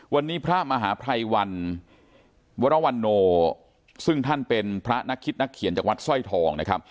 วันนี้พระมหาภัยวันวรวรรณโนซึ่งท่านเป็นพระนักคิดนักเขียนจากวัดสร้อยทองนะครับ